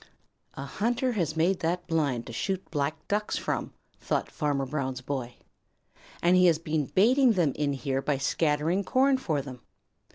"A hunter has made that blind to shoot Black Ducks from," thought Farmer Brown's boy, "and he has been baiting them in here by scattering corn for them.